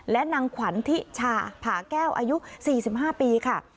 และนางขวัญทิชาผาแก้วอายุ๔๕ปีค่ะ